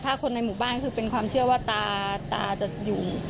จะเป็นความเชื่อว่าตาจะอยู่